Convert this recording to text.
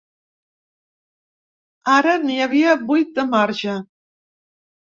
Ara n’hi havia vuit de marge.